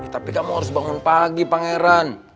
tapi kamu harus bangun pagi pangeran